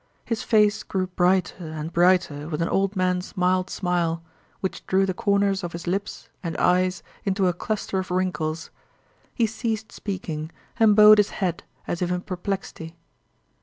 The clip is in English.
His face grew brighter and brighter with an old man's mild smile, which drew the corners of his lips and eyes into a cluster of wrinkles. He ceased speaking and bowed his head as if in perplexity.